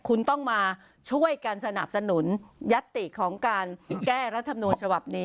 คุณต้องมาช่วยกันสนับสนุนยัตติของการแก้รัฐมนูญฉบับนี้